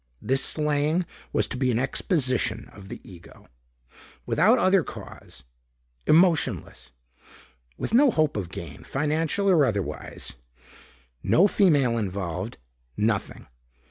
This slaying was to be an exposition of the ego. Without other cause. Emotionless. With no hope of gain, financial or otherwise. No female involved. Nothing.